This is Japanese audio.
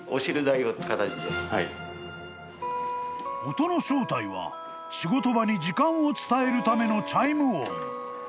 ［音の正体は仕事場に時間を伝えるためのチャイム音］